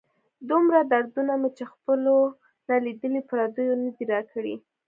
دومره دردونه مې چې خپلو نه لیدلي، پردیو نه دي را کړي.